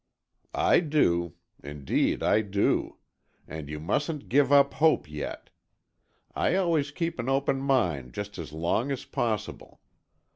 "I do. Indeed, I do. And you mustn't give up hope yet. I always keep an open mind just as long as possible.